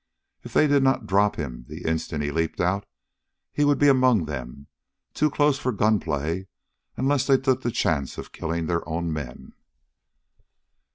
If they did not drop him the instant he leaped out, he would be among them, too close for gunplay unless they took the chance of killing their own men.